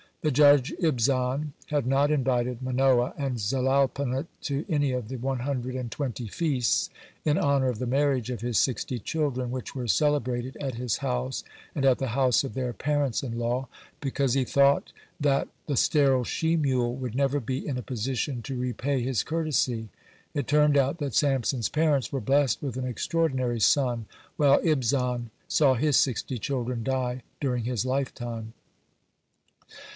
The judge Ibzan had not invited Manoah and Zelalponit to any of the one hundred and twenty feasts in honor of the marriage of his sixty children, which were celebrated at his house and at the house of their parents in law, because he thought that "the sterile she mule" would never be in a position to repay his courtesy. It turned out that Samson's parents were blessed with an extraordinary son, while Ibzan saw his sixty children die during his lifetime.